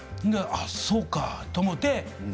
そうかと思って。